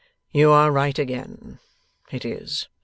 'You are right again; it is.